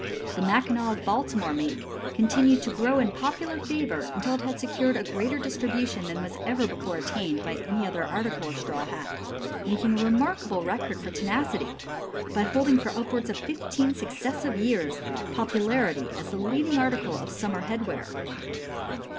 The "Mackinaw" of Baltimore make continued to grow in popular favor until it had secured a greater distribution than was ever before attained by any other article of straw hat, making a remarkable record for tenacity, by holding for upwards of fifteen successive years, popularity as the leading article of summer headwear.